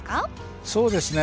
そうですね